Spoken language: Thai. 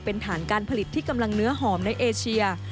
เป็นฐานการผลิตที่กำลังเนื้อหอมในเอเชีย